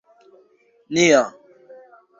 nia